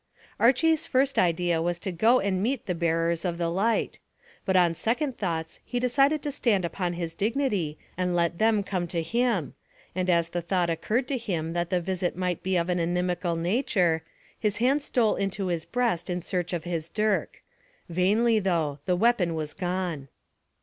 Archy's first idea was to go and meet the bearers of the light, but on second thoughts he decided to stand upon his dignity and let them come to him, and as the thought occurred to him that the visit might be of an inimical nature, his hand stole into his breast in search of his dirk. Vainly though: the weapon was gone.